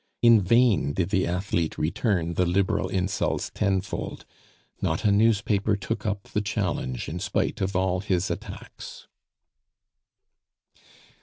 In vain did the athlete return the Liberal insults tenfold, not a newspaper took up the challenge in spite of all his attacks.